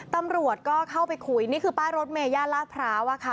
ตำรวจก็เข้าไปคุยนี่คือป้ารถเมฆญ่าราบภาวะคะ